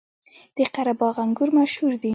د قره باغ انګور مشهور دي